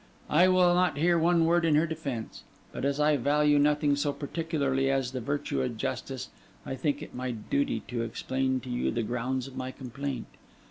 I will not hear one word in her defence; but as I value nothing so particularly as the virtue of justice, I think it my duty to explain to you the grounds of my complaint.